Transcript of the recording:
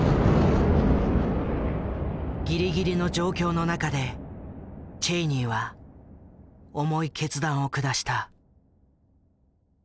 ギリギリの状況の中でチェイニーは重い決断を下した。